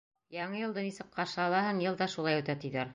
Яңы йылды нисек ҡаршы алаһың, йыл да шулай үтә, тиҙәр.